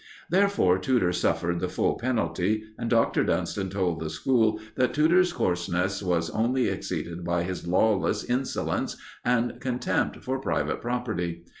Therefore Tudor suffered the full penalty, and Dr. Dunston told the school that Tudor's coarseness was only exceeded by his lawless insolence and contempt for private property.